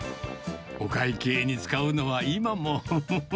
お会計に使うのは今も。